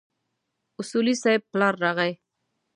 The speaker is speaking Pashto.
اصولي صیب پلار راغی.